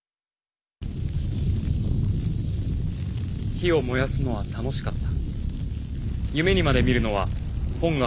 「火を燃やすのは愉しかった」。